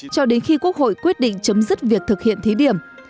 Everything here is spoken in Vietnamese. cho đến khi quốc hội quyết định chấm dứt việc thực hiện thí điểm